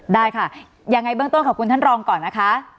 ได้ค่ะยังไงเบื้องต้นขอบคุณท่านรองก่อนนะคะ